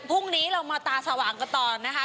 พรุ่งนี้เรามาตาสว่างกันต่อนะคะ